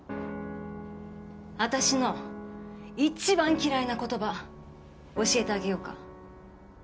私の一番嫌いな言葉教えてあげようか。